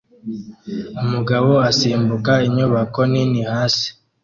Umugabo asimbuka inyubako nini hasi